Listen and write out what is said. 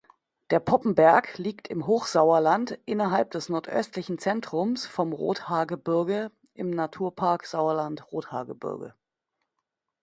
Der Poppenberg liegt im Hochsauerland innerhalb des nordöstlichen Zentrums vom Rothaargebirge im Naturpark Sauerland-Rothaargebirge.